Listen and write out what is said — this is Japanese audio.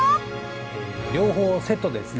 両方セットでですね。